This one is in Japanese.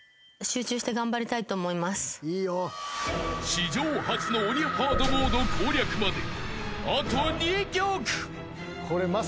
［史上初の鬼ハードモード攻略まであと２曲］